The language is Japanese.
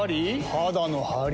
肌のハリ？